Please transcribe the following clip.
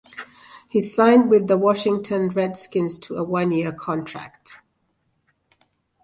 He signed with the Washington Redskins to a one-year contract.